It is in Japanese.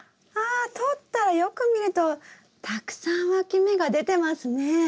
あ取ったらよく見るとたくさんわき芽が出てますね。